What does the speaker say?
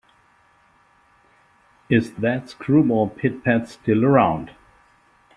Is that screwball Pit-Pat still around?